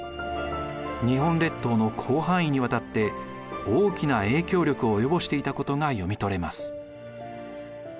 日本列島の広範囲にわたって大きな影響力を及ぼしていたことが読み取れます。